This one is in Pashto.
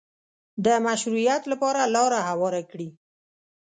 د مشروعیت لپاره لاره هواره کړي